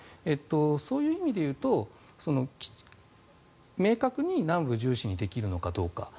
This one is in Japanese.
そういう意味で言うと明確に南部重視にできるのかどうか。